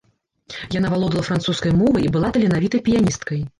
Яна валодала французскай мовай і была таленавітай піяністкай.